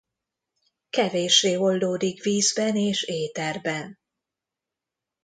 Kevéssé oldódik vízben és éterben.